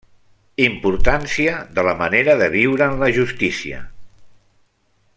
Importància de la manera de viure en la justícia.